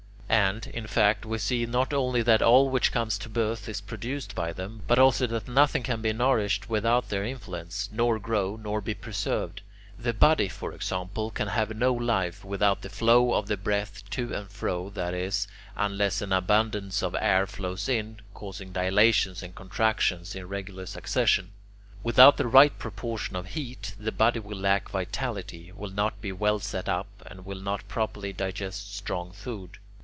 And, in fact, we see not only that all which comes to birth is produced by them, but also that nothing can be nourished without their influence, nor grow, nor be preserved. The body, for example, can have no life without the flow of the breath to and fro, that is, unless an abundance of air flows in, causing dilations and contractions in regular succession. Without the right proportion of heat, the body will lack vitality, will not be well set up, and will not properly digest strong food.